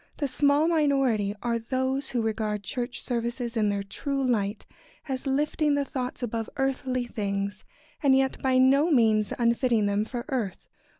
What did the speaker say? ] The small minority are those who regard church services in their true light as lifting the thoughts above earthly things, and yet by no means unfitting them for earth.